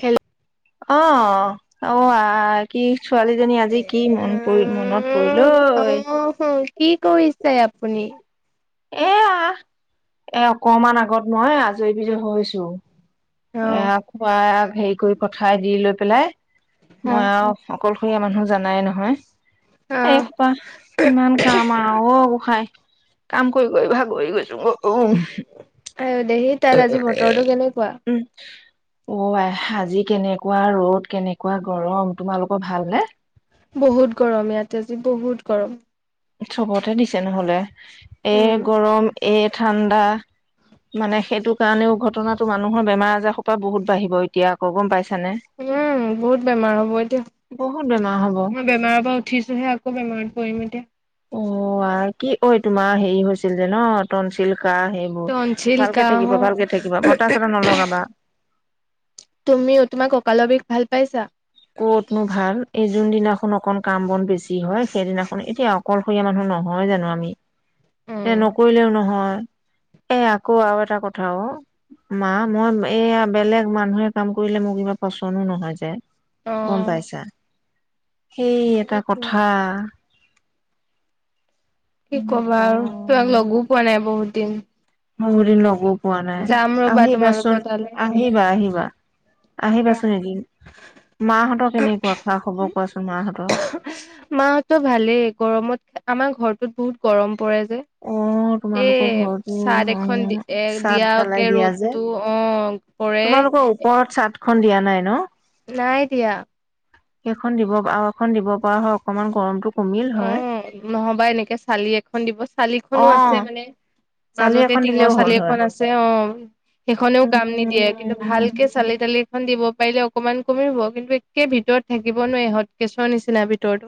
Hello. অ', অ', আহ, কি ছোৱালীজনী আজি কি মন পৰি মনত অ পৰিলঐ? কি কৰিছে আপুনি? এয়া এ অকমান আগত মই আজৰি বিজৰি হৈছো। অ এয়া খুৱাই হেই কই পঠাই দি লৈ পেলাই অ মই আৰু অকল খিয়া মানুহ জানাই নহয়। অ এসোপাহ ইমান কাম আও, অহ। হয় কাম কৰি কৰি ভাগৰি গৈছো উম। আইও দেহি, তাত আজি বটৰটো কেনেকুৱা? অ', আই আজি কেনেকুৱা ৰ'দ কেনেকুৱা গৰম, তোমালোকৰ ভালনে? বহুত গৰম, ইয়াত আজি বহুত গৰম। চবতে দিছে নহ'লে। এ উম গৰম এ ঠাণ্ডা মানে সেইটো কাৰণেও ঘটনাটো মানুহৰ বেমাৰ আজাৰ সোপা বহুত বাঢ়িব এতিয়া আকৌ গম পাইছানে। উম, বহুত বেমাৰ হ'ব এতিয়া বহুত বেমাৰ হ'ব। মই বেমাৰৰ পৰা উঠিছোহে আকৌ বেমাৰত পৰিম এতিয়া। অ', আও কি ঐ তোমাৰ হেৰি হৈছিল যে ন' তনছিল। কাঁহ সেইবোৰ টনচিল ভালকে কাহ থাকিবা, ভালকে থাকিবা বতাহ চতাহ নলগাবা। তুমিও, তোমাৰ ককালৰ বিষ ভাল পাইছা? ক'তনো ভাল। এই যোন দিনাখন অকন কাম বন বেছি হয়, সেইদিনাখন এতিয়া অকলশৰীয়া মানুহ নহয় জানো আমি। এ উম নকৰিলেও নহয়। এই আকৌ আৰু এটা কথা অ', মা মই এইয়া বেলেগ মানুহে কাম কৰিলে মোক কিবা পচনো নহয় যে। অ গম পাইছা? সেই এটা সেইটোৱে কথা। কি ক'বা আৰু নকম তোমাক লগো পোৱা নাই বহুত দিন। বহুত দিন লগো পোৱা নাই, যাম ৰবা আহিবা চোন। তোমালোকৰ তালৈ আহিবা, আহিবা। আহিবাচোন এদিন। মাহঁতৰ কেনেকুৱা? খা খবৰ কোৱাচোন মাহঁতৰ। মাহঁতৰ ভালেই গৰমত আমাৰ ঘৰটোত বহুত গৰম পৰে যে। অ তোমালোকৰ এই ঘৰতো চাদ অ এখন, এ চাদ ঢালাই দিয়াকে দিয়া যে ৰ'দটো অ' পৰে। তোমালোকৰ ওপৰত চাত ত খন দিয়া নাই ন নাই দিয়া সেইখন দিব আৰু এখন দিব পৰা হয় অকনমান গৰমতটো অ' নহবা এনেকে চালি এখন দিব, চালিখনো অ আছে মানে, চালি মাজতে এখন টিঙৰ দিলেও হ'ল চালি হয় এখন আছে অ সেইখনেও কাম উম নিদিয়ে, কিন্তু ভালকে চালি তালি খন দিব পাৰিলে অকমান কমি হব, কিন্তু একে ভিতৰত থাকিব নোৱাৰি সত কেচৰ নিচিনা ভিতৰতো।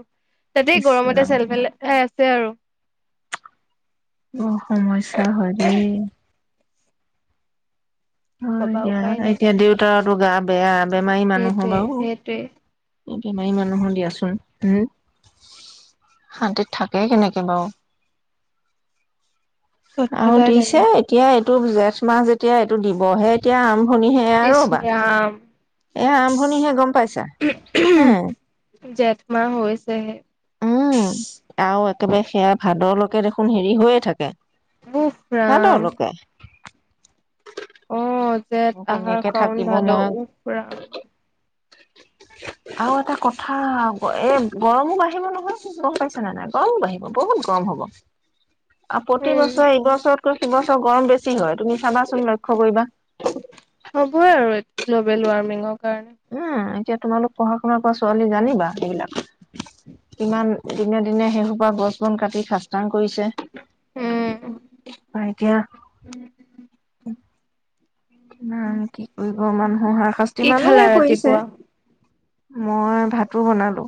তাতেই গৰমতে ইছৰাম চেলফেল আছে আৰু। অ সমস্যা হয় দেই। কি হয় কবা এতিয়া। উপায় নাই এতিয়া দেউতাৰতো গা বেয়া, বেমাৰী মানুহ সেইটোৱে বাৰু। সেইটোৱে। বেমাৰী মানুহো দিয়াচোন, উম? শান্তিত থাকেই কেনেকে বাৰু? চট আহ পটাই তেনে দিইছে এতিয়া টো জেঠ মাহ যেতিয়া এইটো দিবহে এতিয়া, আম আৰম্ভণিহে ইছ আৰুবা, ৰাম এয়া আৰম্ভণিহে গম পাইছা? হ, জেঠ মাহ হৈছেহে উম, আৰু একেবাৰে সেয়া ভাদৰলৈকে দেখোন হেৰি হৈয়ে থাকে। উফৰাম। ভাদৰলৈকে অ জেঠ, আহাৰ, কেনেকে সাওন, থাকিব মই ভাদৰ উফ। আৰু এটা কথা এ গৰমো বাঢ়িব নহয়, গম পাইছে নে নাই? গৰমো বাঢ়িব, বহুত গৰম হব। আৰু প্ৰতি উম বছৰ এইবছৰ ছ বছৰ গৰম বেছি হয়, তুমি চাবাচোন, লক্ষ্য কৰিবা হ'বে আৰু গ্ল'বেল ৱাৰ্মিঙক কাৰণ। উম, এতিয়া তোমালোক পঢ়া শুনাৰ কৰা ছোৱালী জানিবা সেইবিলাক। কিমান দিনে-দিনে সেইহুপা গছ বন কাটি খ কৰিছে। উম বা এতিয়া কিমান কি কৰিব মানুহৰ হাৰ শাস্তি, কি খালা মানুহে কৰিছে। ৰাতিপুৱা মই ভাতো বনালো।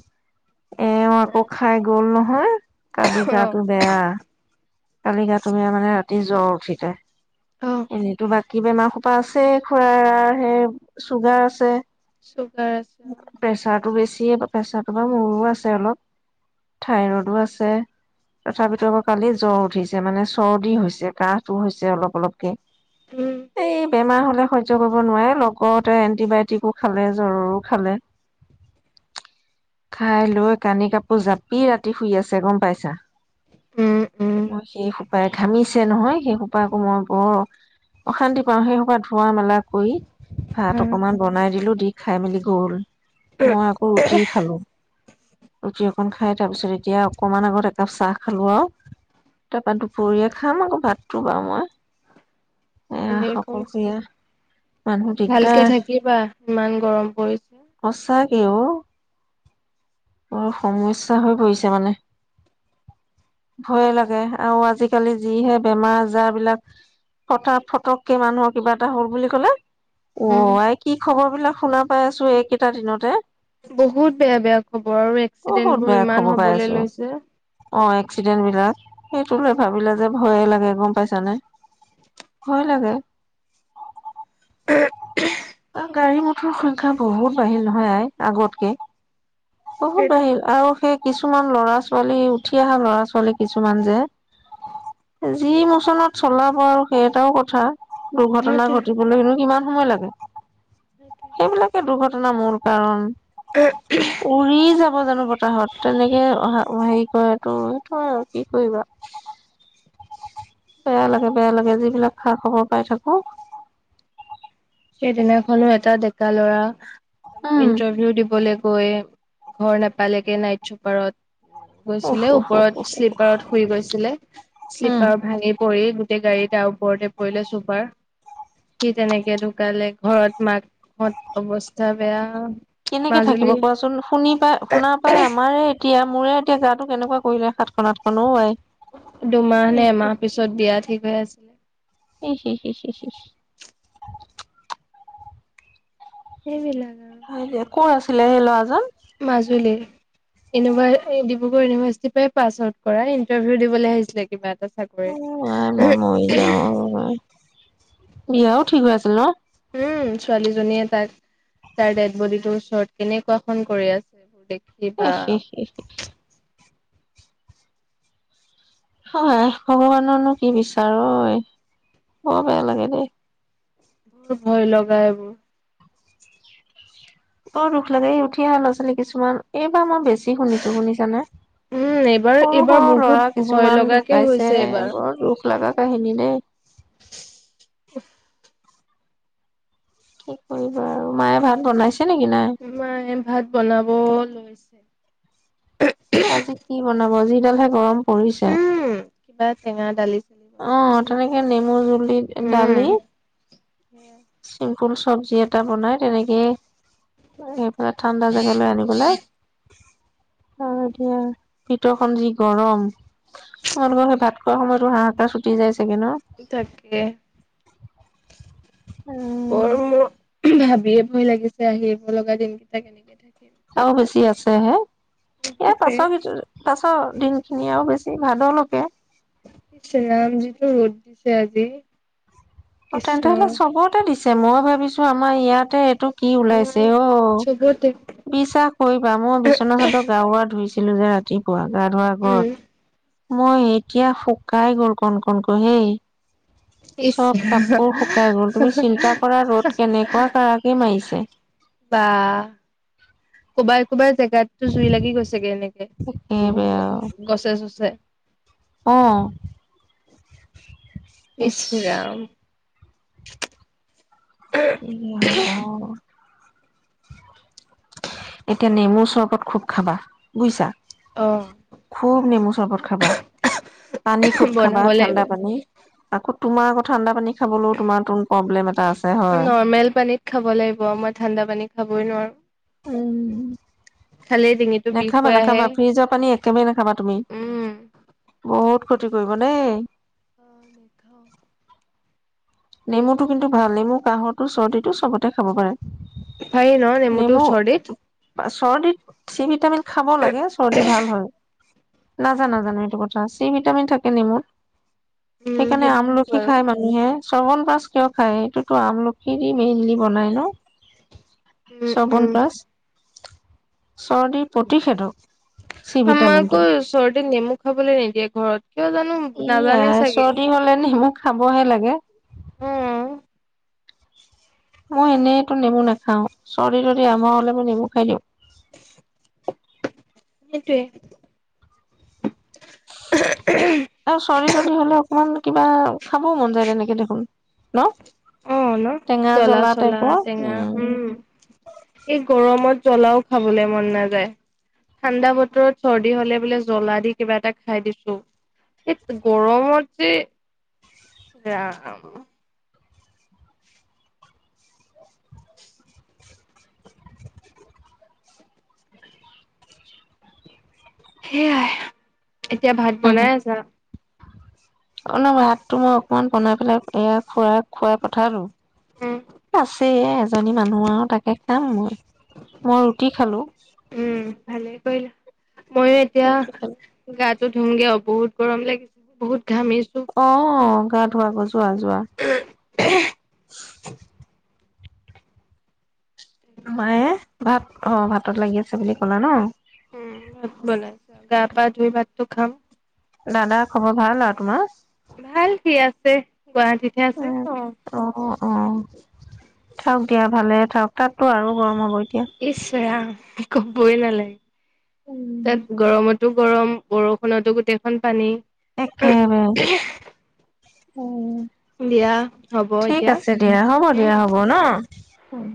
এ আকৌ খাই গ'ল হা কালি অ গাটো বেয়া, কালি গা তুমি মানে ৰা জ্বৰ উঠিলে অ', এনেইতো বাাক কি বেমাৰ পাছে খুৰাৰ সেই চুগাৰ আছে চুগাৰ আছে অ'। প্ৰেছাৰ টো বেছি প্ৰেছাৰটো বাৰো মোৰো আছে অলপ থাইৰইডো আছে তথাপিতো আাৰ কালি জ্বৰ উঠিছে মানে চৰ্দি হৈছে কাহ টোও হৈছে অলপ অলপকে উম এই বেমাৰ হলে সহ্য কৰিব নোৱাৰে লগতে এণ্টিবায়টিকো খালে জ্বৰৰো খালে খাই লৈ কানি কাপোৰ জাপি ৰাতি শুই আছে গম পাইছা উম উম মই সেইয়ে স সোপাই ঘামিছে নহয় সেই সোপাাকো মই বৰ অশান্তি পাওঁ সেই ধোৱাা মেলা কৰি ভাত উম, অকনমান বনাই দিলো দি খাই মেলি গল মই আকৌ ৰুটি খালো ৰুটি অকন খাই তাৰপিছত এতিয়া অকমান আগত একাপ চাহ খালো আৰু তাৰপা দুপৰীয়া খাম আকৌ ভাতটো বাৰু মই ভালেই কৰিছা অকলশৰীয়া মানুহ ভালকে দিগদাৰ থাকিবা ইমান গৰম পৰিছে কে অ অ সমস্যা হৈ পৰিছে মানে ভয়ে লাগে আৰু আজিকালি যিহে বেমাৰ আজাৰ বিলাক ফথা ফটককে মানুহৰ কিবা এটা হল বুলি কলে অ উম আই কি খবৰ বিলাক শুনা পাই আছো এইকেইটা দিনতে বহুত বেয়া বেয়া খবৰ আৰু এক্সিডেন্ট বহুত বোৰ বেয়া ইমান খবৰ পাই হবলৈ আছো লৈছে অ এক্সিডেণ্ট বিলাক সেইটো লে ভাবিলে যে ভয়ে লাগে গম পাইছানে ভয় লাগে গাড়ী মটৰৰ সংখ্যা বহুত বাঢ়িল নহয় আই আগতকে বহুত সেইটোৱেতো বাঢ়িল আৰু সেই কিছুমান ল'ৰা ছোৱালী উঠি অহা ল'ৰা ছোৱালী কিছুমান যে যি মোচনত চলাব আৰু সেই এটাও কথা দুৰ্ঘটনা সেইটোৱে ঘটিবলৈনো কিমান হব লাগে সেইবিলাকে দুৰ্ঘট ন মূল কাৰণ উ হু উৰি যাব জানো বতাহত তেনেকে হেৰি কৰে তো সেইটোয় আৰু কি কৰিবা বেয়া লাগে বেয়া লাগে যিবিলাক খা খবৰ পাই থাকো সেইদিনাখনো এটা ডেকা লৰা উম ইন্টাৰভিউ দিবলে কৈ ঘৰ নাপালেগে নাইট চুপাৰত উফ গৈছিলে উফ উফ ওপৰত উফ শ্লিপাৰত শুই গৈছিলে উম। শ্লিপাৰ ভাঙি পৰি গাড়ী তাৰ ওপৰতে পৰিলে চুপাৰ সি তেনেকতো কালে ঘৰত মাকত অৱস্থা বেয়া কেনেকে থাকিব মাজুলীৰ কোৱাচোন শুনি পাই শুনা পাই আমাৰে এতিয়া মোৰে এতিয়া গাতো কেনেকুৱা কৰিলে সাতখন আাতখননো দুমাহ নে এমাহ পিছত বিয়া ঠিক হৈ আছিলে এইবিলাক হয়ে ক'ৰ আছিলে সেই ল'ৰাজন মাজুলীৰ ইউনিভা ডিব্ৰুগড় ইউনিভাৰ্চিটিৰ পৰাই পাছ আউট কৰা ইণ্টাৰভিউ দিবলৈ আহিছিলে কিবা এটা অ চাকৰি আই মই মৰি যাওঁ বিয়াও ঠিক হৈ আছিল ন উম ছোৱালীজনীয়ে তাক তাৰ ডেড বডীটো ওচৰত কেনেকুৱা খন কৰি আছে এইবোৰ দেখি বা এহ হে হে হে হয় ভগৱানৰনো কি বিচাৰ ঐ বৰ বেয়া লাগে দেই বৰ ভয় লগা এইবোৰ বৰ দুখ লাগে এই উঠি অহা ল'ৰা ছোৱালী কিছুমান এইবাৰ মই বেছি শুনিছো শুনিছানে উম এইবাৰ সৰু এইবাৰ সৰু বহুত ল'ৰা ভয় কিছুমান লগাকে ঢুকাইছে হৈছে বৰ দুখ লগা কাহিনী নে উ কি কৰিবা আৰু মায়ে ভাত বনাইছে নেকি নাই? মাই ভাত বনাব লৈছে আজি কি বনাব যিডাল হে গৰম পৰিছে। উম কিবা টেঙা দালি চালি অ বনাব লৈছে। তেনেকে নেমু জুল দি উম দালি সেয়াই ফুল চব্জি এটা বনাই তেনেকে এইফালে ঠাণ্ডা জেগালৈ আনিবলৈ আৰু এতিয়া ভিতৰখন যি গৰম তোমালোকৰ সেই ভাত খোৱা সময়তো হাঁহ [unintelligible] যায় থাকে উম। বৰ মোৰ ভাবিয়ে লাগিছে আহিব লগা দিনকেইটা কেনেকে থাকে আৰু বেছি আছো হে এ সেইটোৱে পাছৰ ভিতৰত পাছ অ দিন খিনি আৰু বেছি ভাগলাগে ইছৰাম যিটো ৰ'দ দিছে আজি অ' কৃষ্ণ তেন্তে হলে চবতে দি ছে মইও ভাবিছো আমাৰ ইয়াতে এইটোক কি ওলাইছে নাই অ', চবতে বিশ্বাস কৰিবা মই বিচনা চাদৰ গাৰুৱা ধুইছো। আছিলো যে ৰাতিপুৱা গাৰুৱা গছ উম মই এতিয়া শুকাই গ'ল কণ কণ ক হেই। ইচ চব কাপোৰ শুকাই গ'ল তুমি চিন্তা কৰা ৰ'দ কেনেকুৱা কাৰাকী মাৰিছে। ক'বাত জেগাতো জুই লাগি গৈছেগে এনেকে উম, একেবাৰে আৰু গছে চছে। অ ইচ ইছৰাম। এ হ'ব। এতিয়া নেমুৰ চৰবত খুব খাবা, বুজিছা। অ খুব নেমু চৰবত খাবা পানী খুব খাবা বনাব লাগিব। ঠাণ্ডা পানী আকৌ তোমাৰ ঠাণ্ডা পানী খাবলৈও তোমাৰ তোন প্ৰব্লেম এটা আছে হয় নৰ্মেল পানীত খাব লাগিব মই ঠাণ্ডা পানীত খাবই নোৱাৰো। উম। খালে ডিঙিটো বিষ নাখাবা, হৈ আহে নাখাবা ফ্ৰিজৰ পানী একেবাৰে নাখাবা তুমি উম। বহুত ক্ষতি কৰিব দেই। অ [inaudible] নেমুটো কিন্তু ভাল নেমু কাঁহৰটো চৰ্দিটো চবতে খাব পাৰে। পাৰি ন নেমটো নেমু চৰ্দিত? চৰ্দিত চি ভিটামিন খাব লাগে চৰ্দি ভাল হয়। নাজানা জানো এইটো কথা চি ভিটামিন থাকে নেমুৰ। উম সেইকাৰণে সেইটো আমলখি বাৰু খায় মানুহে। শ্ৰ্বণ পাছ কিয় খায় এইটোতো আমলখি মেইনলি বনাই ন। উম শবন উম। প্ছ। চৰ্ণিৰ প্ৰতিষেধক চি আমাক ভিটামিনটো আকৌ চৰ্দিত নেমু খাবলৈ নিদিয়ে ঘৰত কিয় জানো ই নাজানে চাগে। চৰ্দি হলে নেমু খাবহে লাগে। অ মই এনেইতো নেমু নাখাও চৰ্দি তদি আমাৰ হলে মই নেমু খাই দিওঁ। উ সেইটোৱে। আৰু চৰ্দি তদি হলে অকমান কিবা খাবও মন যায় তেনেকে দেখোন ন। অঁ ন টেঙা জলা জ্বলা চলা টাইপৰ টেঙা উম এই গৰমত জ্বলাও খাবলৈ মন নাযায় ঠাণ্ডা বতৰত চৰ্দি হলে বোলে জ্বলা দি কিবা এটা খাই দিছো এই গৰমত যে ৰাম সেয়াই এতিয়া ভাত বনাই আছা অলপ ভাতটো মই অকমান বনাই পেলাই এয়া খোৱা খুৱাই পঠালো উম আছে এজনী মানুহ আৰু তাকে খাম মই মই ৰুটি খালো বল ময়ো এতিয়া ৰুটি খালো গাত ধুমগে অঁ বহুত গৰম লাগিছিল বহুত ঘামিছো। অঁ গা ধুবলৈ গৈছো যোৱা যোৱা মায়ে ভাত অঁ ভাতত লাগি আছে বুলি কলা ন উম বনাইছো গা পা ধুই ভাতটো খাম দাদা খবৰ ভাল আৰু তোমাৰ ভাল কি আছে গুৱাহাটীতে আছে অঁ থওক দিয়া ভালে থাকক তাতো আৰু গৰম হ'ব এতিয়া ইচ ৰাম কবই নালাগে উম, তাত গৰমত টো গৰম বৰষুণতো গোটেইখন পানী একে উম দিয়া হ'ব ঠিক এতিয়া। আছে দিয়া হ'ব দিয়া উম হ'ব ন হয়